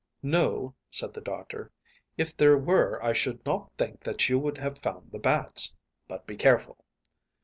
"No," said the doctor. "If there were I should not think that you would have found the bats. But be careful."